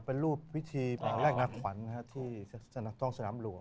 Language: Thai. เป็นรูปวิธีแรกหนักขวัญนะฮะที่ต้องสนามหลวง